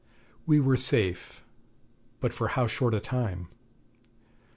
We were safe. But for how short a time!